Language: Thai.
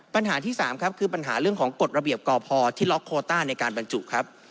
ปัญหาที่๓ครับคือปัญหาเรื่องของกฎระเบียบกพที่ล็อกโคต้าในการบรรจุครับ